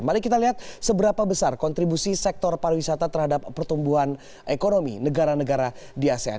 mari kita lihat seberapa besar kontribusi sektor pariwisata terhadap pertumbuhan ekonomi negara negara di asean